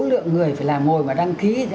lượng người phải làm ngồi và đăng ký